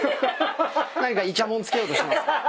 何かいちゃもん付けようとしてます？